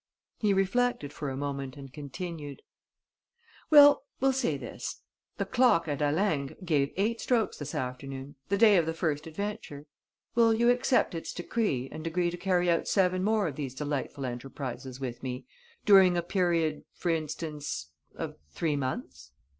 He reflected for a moment and continued: "Well, we'll say this. The clock at Halingre gave eight strokes this afternoon, the day of the first adventure. Will you accept its decree and agree to carry out seven more of these delightful enterprises with me, during a period, for instance, of three months?